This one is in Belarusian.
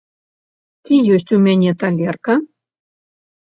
Ці ёсць у мяне талерка?